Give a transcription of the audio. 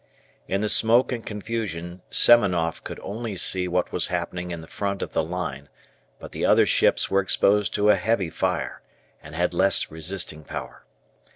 In the smoke and confusion Semenoff could only see what was happening in the front of the line, but the other ships were exposed to a heavy fire, and had less resisting power.